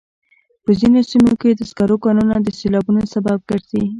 په ځینو سیمو کې د سکرو کانونه د سیلابونو سبب ګرځي.